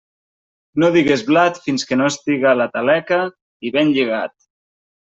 No digues blat fins que no estiga a la taleca i ben lligat.